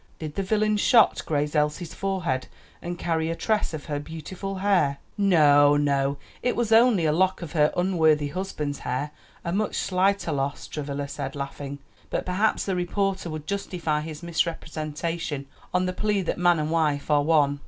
Did the villain's shot graze Elsie's forehead and carry a tress of her beautiful hair?" "No, no, it was only a lock of her unworthy husband's hair a much slighter loss," Travilla said, laughing. "But perhaps the reporter would justify his misrepresentation on the plea that man and wife are one."